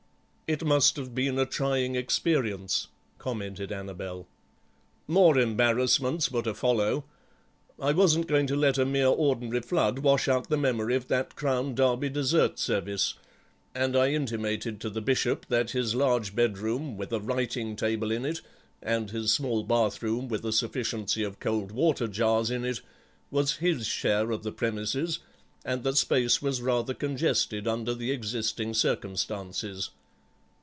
"It must have been a trying experience," commented Annabel. "More embarrassments were to follow. I wasn't going to let a mere ordinary flood wash out the memory of that Crown Derby dessert service, and I intimated to the Bishop that his large bedroom, with a writing table in it, and his small bath room, with a sufficiency of cold water jars in it, was his share of the premises, and that space was rather congested under the existing circumstances.